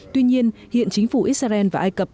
tuy nhiên hiện chính phủ israel và ai cập